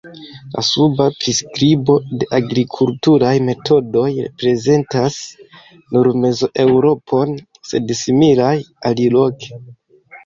La suba priskribo de agrikulturaj metodoj reprezentas nur Mez-Eŭropon, sed similaj aliloke.